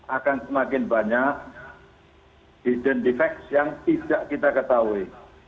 akan semakin banyak identifikasi yang tidak kita ketahui